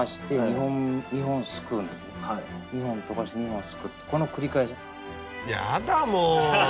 ２本飛ばして２本すくうこの繰り返し。